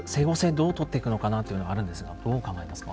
どう取っていくのかなというのはあるんですがどう考えますか？